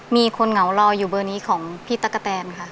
เหงารออยู่เบอร์นี้ของพี่ตะกะแตนค่ะ